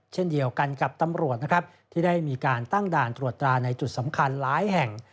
เช่นเดียวกันกับตำรวจนะครับที่ได้มีการตั้งด่านตรวจตราในจุดสำคัญหลายแห่ง